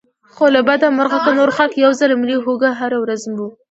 خو له بده مرغه که نور خلک یو ځل مري موږ هره ورځ مرو.